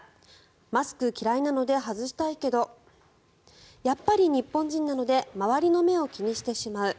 マスク嫌いなので外したいけどやっぱり日本人なので周りの目を気にしてしまう。